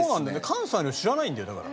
関西の人知らないんだよだから。